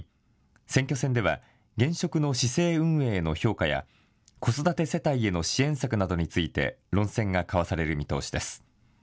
選挙戦では現職の市政運営への評価や子育て世帯への支援策などについて論戦が交わされる見通しです。